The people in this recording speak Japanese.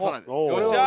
よっしゃー！